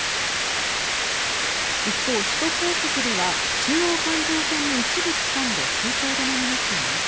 一方、首都高速では中央環状線の一部区間で通行止めになっています。